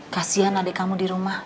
kasian adik kamu di rumah